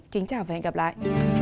kính chào và hẹn gặp lại